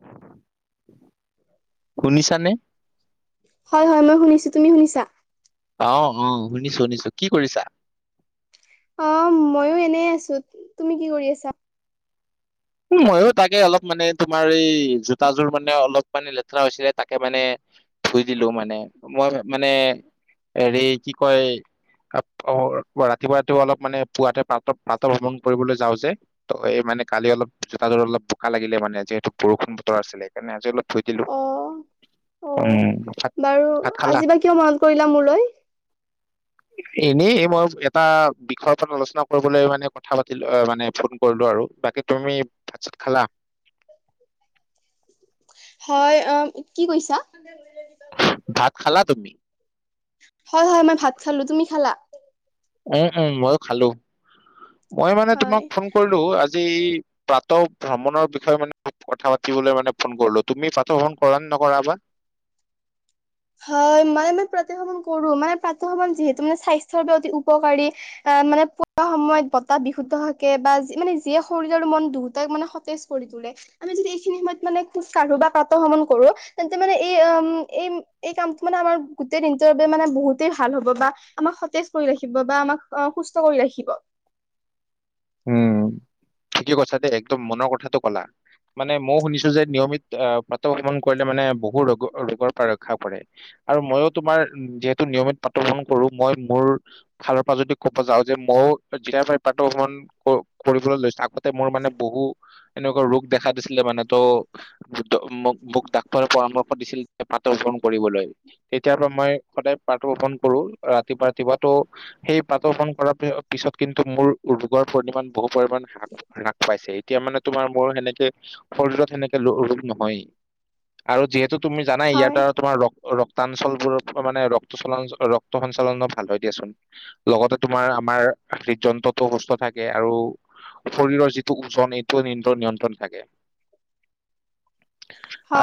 উ হয় হয় মই শুনিছো তুমি শুনিছা অ' অ' শুনিছো শুনিছো কি কৰিছা। অ' মইও এনে আছো তুমি কি কৰি আছা। ময়ো তাকে অলপ মানে তোমাৰ এই জোতাযোৰ মানে অলপ মানে লেতেৰা হৈছিলে তাকে মানে। থুই দিলো মানে, মই মানে, হেৰি কি কয় অ' ৰাতিপুৱা-ৰাতিপুৱা অলপ মানে পুৱাতে পাত পাত স্মৰণ কৰিবলৈ যাওঁ যে ত' এই মানে মানে কালি অলপ, জোতা জোৰ অলপ বোকা লাগিলে মানে, যিহেতু বৰষুণ বতৰ আছিলে, সেইকাৰণে আজি অলপ ধুই দিলো। আহ। অ' উম, ভাত বাৰু ভাত খালা? আজি বা কিয় মনত কৰিলা মোলৈ। [inaudible] এনেই মই এটা বিষয়ৰ ওপৰত আলোচনা কৰিবলৈ মানে কথা পাতিলো, মানে ফোন কৰিলো আৰু। বাকী তুমি ভাত চাত খালা? হয় অ' কি কইছা। ভাত খালা তুমি? হয় হয়, মই ভাত খালো, তুমি খালা? উম উম, মইো খালো, মই মানে তোমাক হয় ফোন কৰিলো আজি যে এই প্ৰাত ভ্ৰমণৰ বিষয়ে মানে কথা পাতিবলৈ মানে ফোন কৰিলো, তুমি পাথ ফোন কৰা নে নকৰা বা। হয় মানে ম প্ৰতি ভ্ৰমন কৰো মানে প্ৰন যিহেতু মানে স্বাস্থ্যৰ অতি উপকাৰী মানে পুৱা সময়ত বতাহ বিশুদ্ধ থাকে বা মানে যিয়ে শৰীৰ আৰু মন দুহটাক মানে সতেজ পৰি থ আমি যদি এইখিনি সময়ত মানে খোজ কাঢ়ো বা পাত ভ্ৰমন কৰো তেন্তে মানে এই, উম এই এই কামটো মানে আমাৰ গোটেই দিনটোৰ বাবে মানে বহুতেই ভাল হব, বা আমাক সতেজ কৰি ৰাখিব বা আমাক আ সুস্থ কৰি ৰাখিব। উম, ঠিকেই কৈছা দেই একদম মনৰ কথাটো ক'লা। মানে মইও শুনিছো যে নিয়মিত আহ পত ভ্ৰমণ কৰিলে মানে বহু ৰোগ ৰোগৰ পৰা ৰক্ষা পৰে। আৰু মইও তোমাৰ যিহেতু নিয়মিত পাতহ স্মৰণ কৰো মই মোৰ ফালৰ পৰা যদি ক'ব যাওঁ যে মই অ', যিফা পৰা পতা ভবন, কৰিবলৈ লৈছে আগতে মানে বহু এনেকুৱাই ৰুপ দেখা দিছিলে মানে ত'মোক ডাক্তৰে পৰামৰ্শ দিছিলে পাত স্মৰণ কৰিবলৈ। তেতিয়াৰ পৰা মই সদায় পাত অৰ্পন কৰো ৰাতিপা ৰাতিপুৱা ত' সেই পাতৰ্পন কৰাৰ পিছত পিছত কিন্তু মোৰ ৰোগৰ পৰিমাণ বহু পৰিমাণ হ্ৰ হ্ৰাস পাইছে। এতিয়া মানে তোমাৰ মোৰ সেনেকে শৰীৰত সেনেকে। নহয়েই, আৰু যিহেতু তুমি জানাই ইয়াৰ হয় দ্বাৰা তোমাৰ ৰ ৰক্তাঞ্চল বোৰ, মানে ৰক্ত চলাচল, ৰক্ত সঞ্চালনো ভাল হয় দিয়াচোন, লগতে তোমাৰ আ আমাৰ হৃদযন্ত্ৰটো সুস্থ থাক কে, আৰু শৰীৰৰ যিটো ওজন এইটো নিনদ্ৰ নিয়ন্ত্ৰণ থাকে।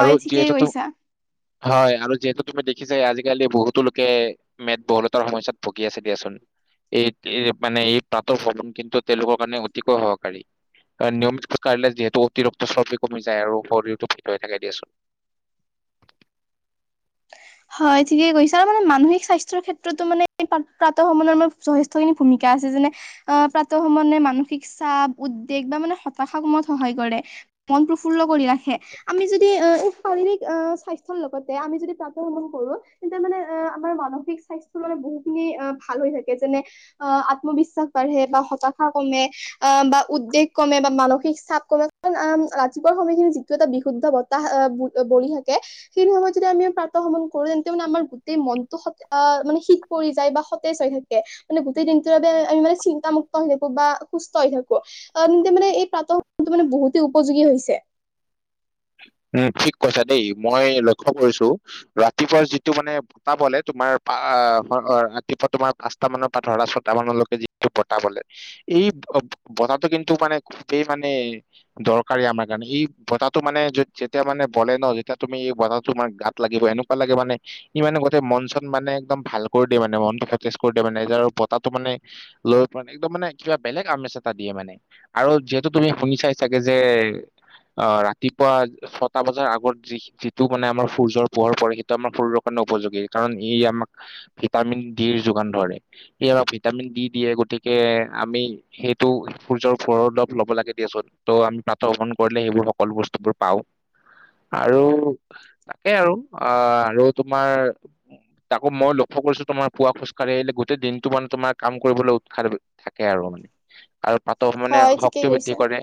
আৰু ঠিকেই যিহেতু কৈছা। হয়, আৰু যিহেতু তুমি দেখিছাই আজিকালি বহুতো লোকে মেদ-বহুলতাৰ সমস্যাত ভুগি আছে দিয়াচোন। এই এ মানে এই প্ৰাতঃভ্ৰমন কিন্তু তেওঁলোকৰ কাৰণে অতিকৈ সহকাৰী। নিয়মিত খোজ কাঢ়িলে যিহেতু অতিৰক্ত চৰ্বি কমি যায় আৰু শৰীৰটো ফিট হৈ থাকে দিয়াচোন। [inaudible] হয় ঠিকে কৈছো, আৰু মানে মানসিক স্বাস্থ্যৰ ক্ষেত্ৰতো মানে প্ৰাতঃভ্ৰমণৰো যথেষ্টখিনি ভূমিকা ছে-যেনে অ-প্ৰাতঃ সমন্নে মানসিক চাপ উদ্বেগ তাৰমানে হতাশা কমোৱাত সহায় কৰে। মন প্ৰফুল্ল কৰি ৰাখে, আমি যদি অ, এ-শাৰীৰিক অ, স্বাস্থ্যৰ লগতে আমি যদি প্ৰ ভ্ৰমন কৰো তেতিয়া মানে অ-আমাৰ মানসিক স্বাস্থ্য মানে বহু খিনি অ-ভাল হৈ থাকে। যেনে অ আত্মবিশ্বাস বাঢ়ে বা হতাশা কমে অ, বা উদ্বেগ কমে বা মানসিক চাপ কমে। অ, ৰাতিপুৱা সময়খিনি যিটো এটা বিশুদ্ধ বতাহ অ-ব-বলি থাকে। সেইখিনি সময়ত যদি আমি পা ভ্ৰমন কৰো তেন্তে মানে আমাৰ গোটই মনটো স-অ-মানে শীত পৰি যায়, বা সতেজ হৈ থাকে, মানে গোটেই আমি মানে চিন্তামুক্ত হৈ থাকোঁ বা সুস্থ হৈ থাকোঁ, অ', মানে এই প্ৰাতটো মানে বহুত উপযোগী হৈছে। উ [unintelligible] উম ঠিক কৈছা দেই মই লক্ষ্য কৰিছো ৰাতিপুৱা যিটো মানে বতাহ বলে তোমাৰ আহ ৰাতিপুৱা তোমাৰ পাঁচটা মানৰ পৰা ধৰা ছটা মানলৈকে যিটো বতাহ বলে এই অ', বতাহটো কিন্তু মানে খুবেই মানে দৰকাৰী আমাৰ কাৰণে এই বতাহটো মানে যদি যেতিয়া মানে বলে ন যেতিয়া তুমি এই বতাহটো মানে গাত লাগিব এনেকুৱা লাগে মানে ই মানে গোটেই মন চন মানে একদম ভাল কৰি দিয়ে মানে মনটো সতেজ কৰি দিয়ে মানে বতাহটো মানে লৈ পানে একদম মানে কিবা বেলেগ আমেজ এটা দিয়ে মানে আৰু যিহেতু তুমি শুনি চাই চাগে যে অ ৰাতিপুৱা ছটা বজাৰ আগত যি যিটো মানে আমাৰ সূৰ্যৰ পোহৰ পৰে সেইটো আমাৰ শৰীৰৰ কাৰণে উপযোগী কাৰণ ই আমাক ভিটামিন ডিৰ যোগান ধৰে ই আমাক ভিটামিন দি দিয়ে গতিকে আমি সেইটো সূৰ্যৰ পোহৰ অলপ ল'ব লাগে দিয়া চোন ত' আমি বাটত [unintelligible] কৰিলে সেইবোৰ সকলো বস্তুবোৰ পাওঁ আৰু তাকে আৰু অ আৰু তোমাৰ তাকো মই লক্ষ্য কৰিছো তোমাৰ পুৱা খোজকাঢ়ি আহিলে গোটেই দিনটো মানে তোমাৰ কাম কৰিবলৈ উৎসাহ থাকে আৰু মানে আৰু পাতক মানে হয় ঠিকেই শক্তি বৃদ্ধি কৈছা কৰে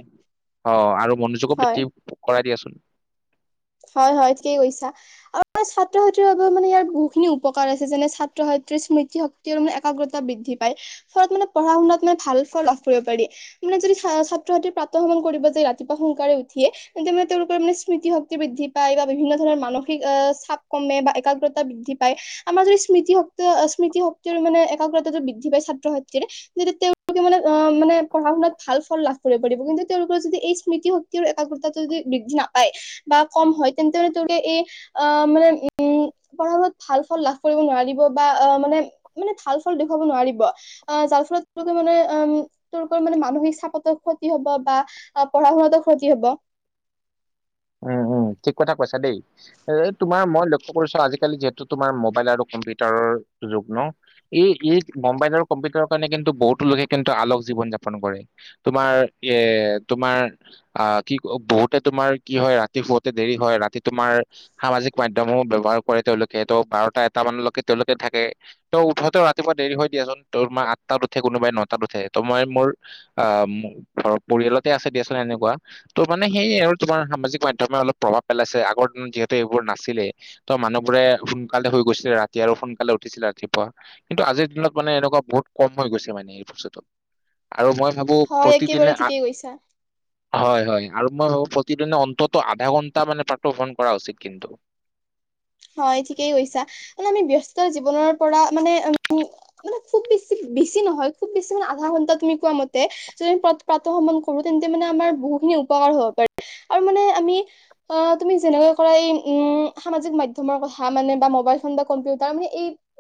অ আৰু মনোযোগো হয় বৃদ্ধি কৰাই দিয়াচোন হয় হয় ঠিকেই কৈছা আৰু ছাত্ৰ ছাত্ৰীৰ বাবে মানে ইয়াৰ বহুত খিনি উপকাৰ আছে যেনে ছাত্ৰ স্মৃতি শক্তি আৰু মানে একাগ্ৰতা বৃদ্ধি পায় ফলত মানে পঢ়া শুনাত মানে ভাল ফল লাভ কৰিব পাৰি। মানে যদি ছাত্ৰ ছাত্ৰীৰ প্ৰাতভ্ৰমন কৰিব যে ৰাতিপুৱা সোনকালে উঠিয়ে তেন্তে মানে তেওঁলোকৰ মানে স্মৃতি শক্তি বৃদ্ধি পায় বা বিভিন্ন ধৰণৰ মানসিক আহ চাপ কমে বা একাগ্ৰতা বৃদ্ধি পায়, আমাৰ যদি স্মৃতিশক্তি স্মৃতি শক্তিৰ মানে একাগ্ৰতাটো বৃদ্ধি পায় ছাত্ৰ ছাত্ৰীৰ, যেতিয়া তেওঁলোকে মানে অ মানে পঢ়া ভাল ফল লাভ কৰিব পাৰিব কিন্তু তেওঁলোকৰ যদি এই স্মৃতি শক্তিৰ আৰু একাগ্ৰতাটো যদি বৃদ্ধি নাপায়। বা কম হয় তেন্তে হলে তেওঁলোকে এই আ মানে উম পঢ়া শুনাত ভাল ফল লাভ কৰিব নোৱাৰিব বা মানে মানে ভাল ফল দেখোৱাব নোৱাৰিব অ যাৰফলত মানে তেওঁলোকে মানে মানে মানসিক চাপতো ক্ষতি হব বা পঢ়া শুনাতো ক্ষতি হব [unintelligible] উম ঠিক কথা কৈছা দেই। এ তোমাৰ মই লক্ষ্য কৰিছো আজিকালি যিহেতু তোমাৰ মোবাইল আৰু কম্পিউটাৰৰ যোগ ন এই এই মোবাইল আৰু কম্পিউটাৰৰ কাৰণে কিন্তু বহুতো লোকে কিন্তু আলক জীৱন যাপন কৰে তোমাৰ এ তোমাৰ অ কি ক বহুতে তোমাৰ কি হয় ৰাতি শুৱতে দেৰি হয় ৰাতি তোমাৰ সামাজিক মাধ্যমো ব্যৱহাৰ কৰে তেওঁলোকে ত বাৰটা এটা এটালৈকে তেওঁলোকে থাকে ত উঠোতেও ৰাতিপুৱা দেৰি হৈ দিয়াচোন ত তোমাৰ আঠটাত উঠে কোনোবাই নটাত উঠে ত মই মোৰ আহ মোৰ ঘৰ পৰিয়ালতে আছে দিয়াচোন এনেকুৱা ত' মানে কি তোমাৰ সামাজিক মাধ্যমে অলপ প্ৰভাৱ পেলাইছে। আগৰ দিনত যিহেতু এইবোৰ নাছিলে ত মানুহবোৰে সোনকালে কৈছে ৰাতি আৰু সোনকালে উঠিছিলে। ৰাতিপুৱা কিন্তু আজিৰ দিনত মানে এনেকুৱা বহুত কম হৈ গৈছে মানে এই বস্তুুতো। আৰু মই ভাবো হয় একেবাৰে প্ৰতিদিনেআঠ ঠিকেই কৈছা হয় হয় আৰু মই ভাবো প্ৰ দিনে অন্ততৰ আধা ঘণ্টা মানে প্ৰাত্ৰ [unintelligible] কৰা উচিত কিন্তু হয় ঠিকেই কৈছা মানে আমি ব্যস্ত জীৱনৰ পৰা মানে মানে খুব বেছি বেছি নহয় খুব বেছি মানে আধা ঘণ্টা তুমি কোৱা মতে যদি প্ৰাত ভ্ৰমন কৰো তে তেতিয়ামানে আমাৰ বহু খিনি উপকাৰ হ'ব পাৰে। আৰু মানে আমি অ তুমি যেনেকৈ কৰা এই উম সামাজিক মাধ্যম তোমাৰ কথা মানে বা মোবাইল ফোন বা কম্পিউটাৰ মানে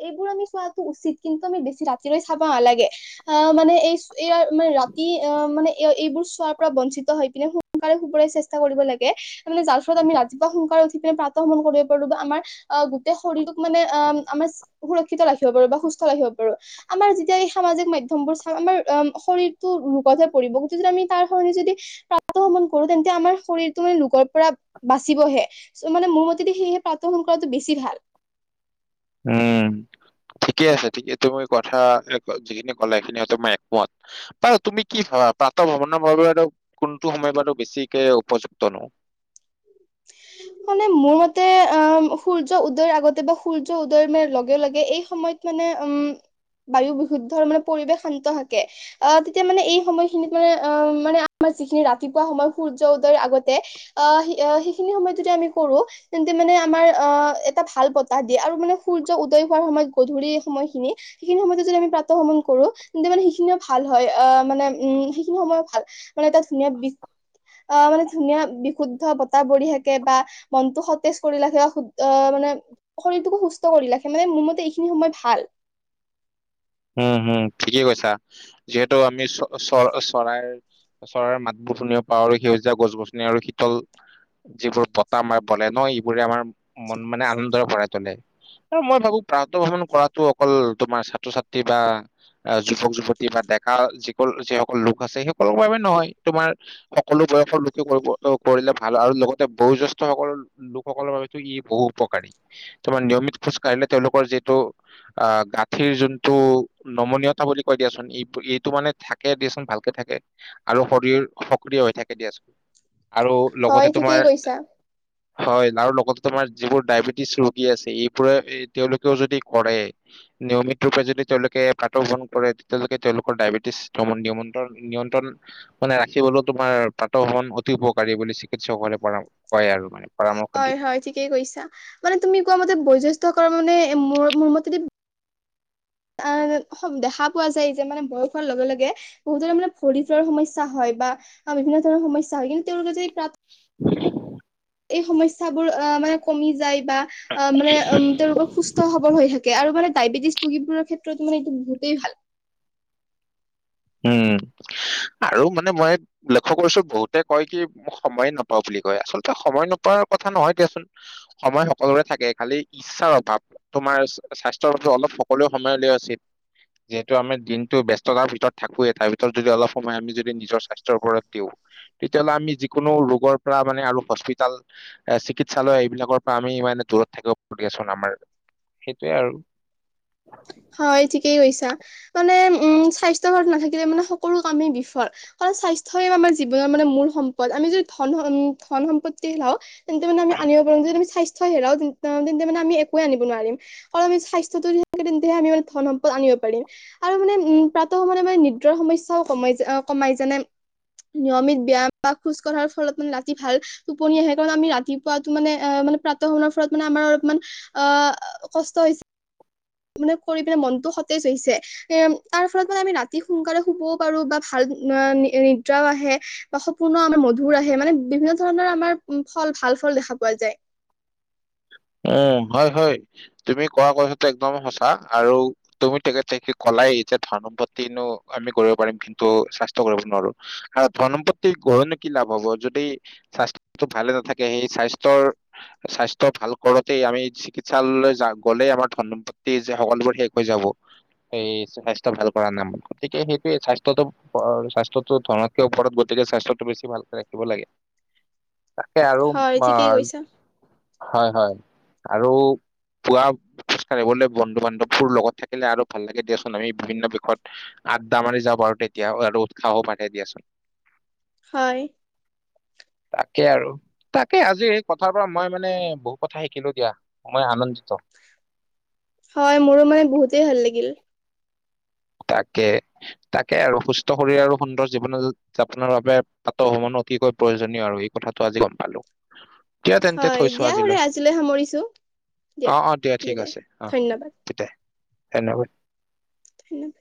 এইবোৰ আমি চোৱাটো উচিত কিন্তু আমি বেছি ৰাতি চাব কব নালাগে অ মানে এই মানে ৰাতি অ মানে এইবোৰ চোৱাৰ পৰা বঞ্চিত হৈ পিনে সোনকাৰে সুকই চেষ্টা কৰিব লাগে মানে যাৰ ফলত আমি ৰাতিপুৱা সোনকালে। উঠি পিনে প্ৰাত ভ্ৰমন কৰিব পাৰো বা আমাৰ অ গোটেই শৰীৰটোক মানে অ আমাৰ। সুৰক্ষিত ৰাখিব পাৰো বা সুস্থ ৰাখিব পাৰো আমাৰ যেতিয়া এই সামাজিক মাধ্যয়ম বোৰ চাম আমাৰ শৰীৰটো ৰোগতহে পৰিব গতি যদি আমি তাৰ সৰণ যদি প্ৰাত ভ্ৰমণ কৰো তেন্তে আমাৰ শৰীৰতটো মানে লোগৰ পৰা বাচিবহে মানে মোৰ মতেদি সেয়েহে প্ৰত ভ্ৰমন কৰাটো বেছি ভাল উম। ঠিকে আছে ঠিকে তুমি কথা যিখিনি ক'লে সেইখিনি হয়ো মই একোত বাৰু তুমি কি খাবা প্ৰাত ভ্ৰমণৰ মই আৰু কোনটো সময় বাৰ বেছিকে উপযুক্ত [inaudible] মানে মোৰ মতে অ সূৰ্য উদয়ৰ আগতে বা সূৰ্য উদয় ম লগে লগে এই সময়ত মানে উম বায়ু বিশুদ্ধৰ মানে পৰিৱেশ শান্ত থাকে আহ তেতিয়া মানে এই সময়খিনিত মানে আহ মানে আমাৰ। যিখিনি ৰাতিপুৱা সময় সূৰ্য উদয়ৰ আগতে আহ সেইখিনি সময়ত যদি আমি কৰো তেন্তে মানে আমাৰ অ এটা ভাল বতাহ দিয়ে আৰু মানে সূৰ্য উদয় হোৱাৰ সময়ত গধূলি সেইখিনি সময় যি ভ্ৰমন কৰো তে মানে সেইখিনিও ভাল হয় মানে উম সেইখিনি সময় ভাল মানে এটা ধুনীয়া বি মানে ধুনীয়া বিশুদ্ধ বতাপ মনটো সতেজ কৰি ৰাখে বা ম এইখিনি সময় ভাল উম হম ঠিকেই কৈছা যিহেতু আমি চ চ চৰাইৰ চৰৰ মাতবোৰ ধুনীয়া পাওঁ আৰু সেউজীয়া গছ গছনি আৰু শীতল যিবোৰ বতাহ আমাৰ বলে ন এইবোৰে আমাৰ মন মানে আনন্দৰে ভই তোলে মই ভাবো প্ৰাত ভ্ৰমণ কৰাটোো অকল তোমাৰ ছাত্ৰ ছাত্ৰী বা আহ যুৱক যুৱতী বা ডেকা যি যিসকল লোক আছে সেই সকলৰ বাবে নহয় তোমাৰ সকলো। বয়সৰ লোকে কৰিব কৰিলে ভাল আৰু লগতে বয়োজ্যেষ্ঠসকলৰ লোকসকলৰ বাবেতো ই বহু উপকাৰী। তাৰমাৰ নিয়মিত খোজ কঢ়িলে তেওঁলোকৰ যিটো আহ গাঁঠিৰ যোন টো নমনীয়তা বুলি কয় দিয়াচোন এইটো মানে থাকে দিয়াচোন ভালকে থাকে আৰু শৰীৰ সক্ৰিয় হৈ থাকে দিয়া চোন আৰু হয় লগতে ঠিকেই তোমাৰ কৈছা হয় আৰু লগতে তোমাৰ যিবোৰ ডায়বেটিছ ৰোগী আছে এইবোৰে তেওঁলোকেও যদি কৰে। নিয়মিত ৰূপ যদি তেওঁলোকে পাত বন কৰে তেতিয়ালৈকে তেওঁলোকৰ ডায়েবেটিছ নিয়ন্ত্ৰণ নিয়ন্ত্ৰণ মানে ৰাখিবলৈও তোমাৰ পাত ভ্ৰমন অতি উপকাৰী বুলি চিকিৎসকসকলে পৰা কয় আৰু মানে পৰামৰ্শ হয় দিয়ে হয় ঠিকেই কৈছা মানে তুমি কোৱা মতে বয়োজেষ্ঠ মানে মোৰ মোৰ মতেদি [inaudible] অ' দেখা পোৱা যায় যে মানে বয়স হোৱাৰ লগে লগে বহুত মানে ভৰি যোৱাৰ সমস্যা হয় বা বিভিন্ন ধৰণৰ সমস্য হয় কিন্তু তেওঁলোক যদি প্ৰাত [inaudible] এই সমস্যাবোৰ অ মানে কমি যায়। বা অ' মানে উম তেওঁলোকৰ সুস্থ সবৰ হৈ থাকে আৰু মানে। ডায়বেটিছ ৰোগীবোৰাৰ ক্ষেত্ৰতো মানে এইটো বহুতেই ভাল উম আৰু মানে মই লক্ষ্য কৰিছো বহুতে কয় কি মোক সময়ে নপাওঁ বুলি কয় আচলতে সময় না পোৱা কথা নহয় দিয়াচোন সময় সকলোৰে থাকে খালি ইচ্ছাৰ অভাৱ তোমাৰ স্বাস্থ্যৰ অ অলপ সকলোৱে সময় উলিয়া উচিত যিহেতু আমাৰ দিনতটো ব ব্যস্ততাৰ ভিতৰত। থাকোৱে তাৰ ভিতৰত যদি অলপ সময় আমি যদি নিজৰ স্বাস্থ্যৰ ওপৰত দিওঁ তেতিয়াহ'লে আমি যিকোনো ৰোগৰ পৰা মানে আৰু হস্পিতাল চিকিৎসালয় এইবিলাকৰ পৰা আমি ইমানে দূৰত থাকিব দিয়াচোন আমাৰ। সেইটোয়ে আৰু হয় ঠিকেই কৈছা, মানে উম স্বাস্থ্য ভাল নাথাকিলে মানে সকলো কামেই বিফল কাৰণ স্বাস্থ্য আমাৰ জীৱনৰ মানে মূল সম্পদ আমি যদি ধন ধন সম্পত্তি হওঁ তেন্তে আমি আনিব আ স্বাস্থ হেৰাওঁ তেন্তে আমি একোৱে আনিব নোৱাৰিম কাৰণ আমি স্বাস্থ্যটো তেনন্তেহে আমি মানে ধন সম্পদ আনিব পাৰিম আৰু মানে উম প্ৰাতঃ সম মানে মানে নিদ্ৰাৰ সমস্যাও কমাই যায়। কমাই যেনে নিয়মিত বিয়াম বা খোজ কঢ়াৰ ফলত মানে ৰাতি ভাল টোপনি আহে কাৰণ আমি ৰাতিপুৱাতো মানে অ' মানে প্ৰাপ্ত সময়ৰ ফলত মানে আমাৰ অলপমান অ কষ্ট হৈছে মানে কৰি পিনে মনটো সতেজ হৈছে এ তাৰ ফলত মানে আমি ৰাতি সোনকালে শুবও পাৰো বা ভাল নিদ্ৰাও আহে বা সপোন আমাৰ মধুৰ আহে মানে বিভিন্ন ধৰণৰ আমাৰ ফল ভাল। ভাল ফল দেখা পোৱা যায়। [inaudible] উ হয় হয় তুমি কোৱা কথাটো একদম সঁচা আৰু তুমি তেখেতক কলাই। ধন সম্পত্তিনো আমি কৰিব পাৰিম কিন্তু স্বাস্থ্য কৰিব নোৱাৰো কাৰ ধন সম্পত্তি ঘৰ কি লাভ হব যদি স্বাস্থ্যটো ভালে নাথাকে সেই স্বাস্থ্যৰ স্বাস্থ ভাল কৰোতেই আমি চিকিৎসালয়লৈ য গ'লে আমাৰ ধন সম্পত্তিয়ে যে সকলোবোৰ শেষ হৈ যাব। এই স্বাস্থ্য ভাল কৰা নামন গতিকে সেইটোৱে স্বাস্থ্যয়টো স্বাস্থ্যয়তো ধনতকে ওপৰত গ গতিকে স্বাস্থ্যটো বেছি ভালকে ৰাখিব লাগে তাকে আৰু। হয় ঠিকেই কৈছা হয় হয় আৰু পুৱা। খোজকাঢ়িবলৈ বন্ধু বান্ধৱবোৰ লগত থাকিলে আৰু ভাল লাগে দিয়াচোন আমি বিভিন্ন বিষত আদ্ডা মাৰি যাব। আৰু তেতিয়া আৰু উৎসাহো বাহে দিয়াচোন। হয়। তাকে আৰু তাকে আজি সেই কথাৰ পৰা মই। মানে বহুত কথা শিকিলো দিয়া মই আনন্দিত। হয় মোৰো মানে বহুতেই ভাল লাগিল। তাকে তাকে আৰু সুস্থ শৰীৰ আৰু সুন্দৰ জীৱন যাপনৰ বাবে তাতো উন্নত। অতিকৈ প্ৰয়োজনীয় আৰু এই কথাটো আজি গম পালো। দিয়া তেন্তে হয় দিয়া হলে আজিলৈ সামৰিছো। অঁ, অঁ, দিয়া ঠিক বিদায় আছে অ ধন্যবাদ তেতিয়া ধন্যবাদ। উ